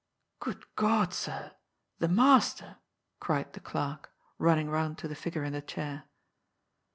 " Good God, sir, the master 1 " cried th^ clerk, running round to the figure in the chair.